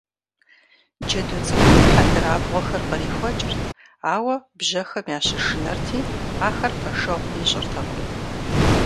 Джэду цӏыкӏум хьэндырабгъуэхэр кърихуэкӀырт, ауэ бжьэхэм ящышынэрти, ахэр пэшэгъу ищӀыртэкъым.